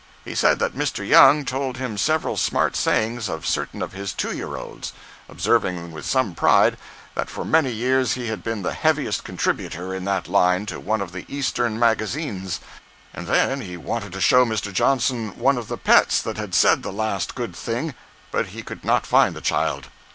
He said that Mr. Young told him several smart sayings of certain of his "two year olds," observing with some pride that for many years he had been the heaviest contributor in that line to one of the Eastern magazines; and then he wanted to show Mr. Johnson one of the pets that had said the last good thing, but he could not find the child.